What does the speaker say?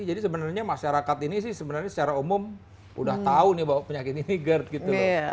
jadi sebenarnya masyarakat ini sih sebenarnya secara umum udah tahu nih bahwa penyakit ini gitu ya